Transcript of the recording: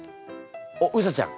おっうさちゃん。